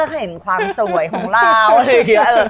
เห็นความสวยของเรา